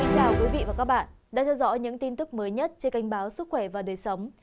chào các bạn đã theo dõi những tin tức mới nhất trên kênh báo sức khỏe và đời sống